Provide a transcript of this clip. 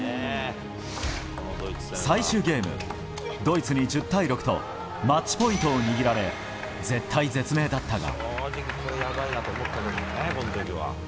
最終ゲームドイツに１０対６とマッチポイントを握られ絶体絶命だったが。